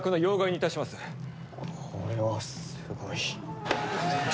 これはすごい。